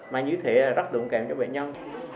mà như thế rất đúng kèm cho bệnh nhân